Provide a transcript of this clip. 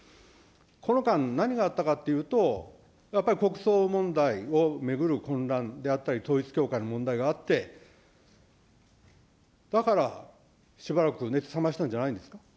この間、何があったかっていうと、やっぱり国葬問題を巡る混乱であったり、統一教会の問題があって、だからしばらく熱冷ましたんじゃないですか。